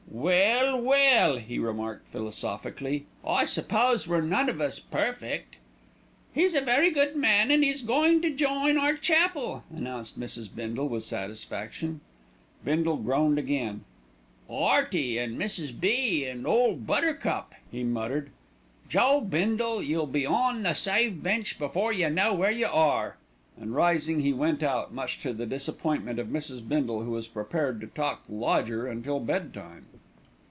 "Well, well!" he remarked philosophically, "I suppose we're none of us perfect." "He's a very good man, an' he's goin' to join our chapel," announced Mrs. Bindle with satisfaction. Bindle groaned again. "'Earty, an' Mrs. B., an' Ole Buttercup," he muttered. "Joe Bindle, you'll be on the saved bench before you know where you are"; and rising he went out, much to the disappointment of Mrs. Bindle, who was prepared to talk "lodger" until bed time.